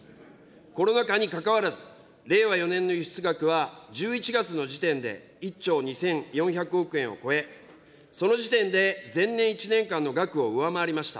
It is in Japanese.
コロナ禍にかかわらず、令和４年の輸出額は１１月の時点で１兆２４００億円を超え、その時点で前年１年間の額を上回りました。